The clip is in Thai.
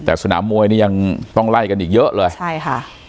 แต่สนามมวยนี่ยังต้องไล่กันอีกเยอะเลยใช่ค่ะ